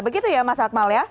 begitu ya mas akmal ya